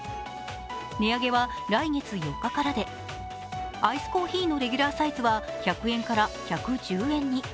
値上げは来月４日からで、アイスコーヒ−のレギュラーサイズは１００円から１１０円に。